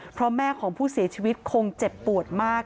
เพราะแม่ของผู้เสียชีวิตคงเจ็บปวดมาก